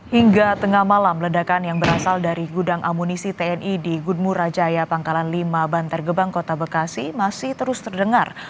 hingga tengah malam ledakan yang berasal dari gudang amunisi tni di goodmura jaya pangkalan lima bantar gebang kota bekasi masih terus terdengar